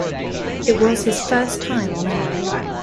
It was his first time on air.